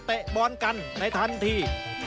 บอลกันในทันที